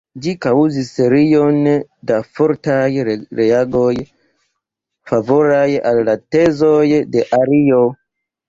Ĝi kaŭzis serion da fortaj reagoj favoraj al la tezoj de Ario.